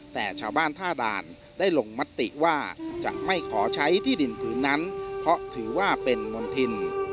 แต่ชาวบ้านท่าด่านได้ลงมติว่าจะไม่ขอใช้ที่ดินผืนนั้นเพราะถือว่าเป็นมณฑิน